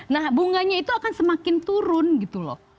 nah bunganya itu akan semakin turun gitu loh